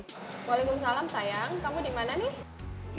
waalaikumsalam sayang kamu dimana nih